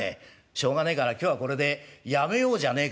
しょうがねえから今日はこれでやめようじゃねえかってんで」。